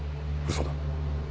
嘘だ。